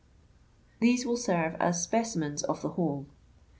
* These will serve as spe cimens of the whole.